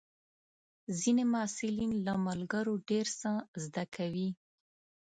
ځینې محصلین له ملګرو ډېر څه زده کوي.